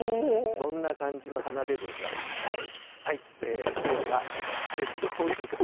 そんな感じの花でございます。